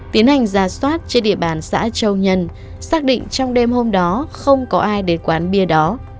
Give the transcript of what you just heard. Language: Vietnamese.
tiến hành ra soát trên địa bàn xã châu nhân xác định trong đêm hôm đó không có ai đến quán bia đó